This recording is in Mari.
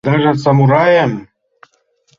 Даже самурайым?